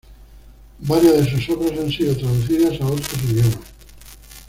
Varias de sus obras han sido traducidas a otros idiomas.